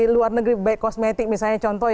luar negeri baik kosmetik misalnya contoh